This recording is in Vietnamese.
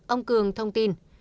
ông cường thông tin